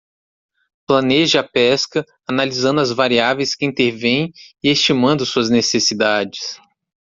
Planeje a pesca, analisando as variáveis que intervêm e estimando suas necessidades.